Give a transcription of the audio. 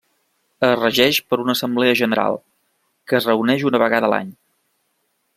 Es regeix per una Assemblea General, que es reuneix una vegada a l'any.